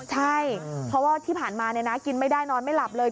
ใช่เพราะว่าที่ผ่านมากินไม่ได้นอนไม่หลับเลย